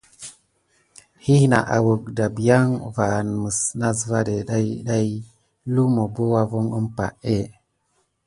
Hina awək dabiaŋ va anməs nasvaɗé ɗayɗay, lumu bo wavoŋ əmpahé.